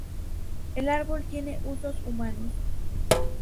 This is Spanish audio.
El árbol tiene usos humanos.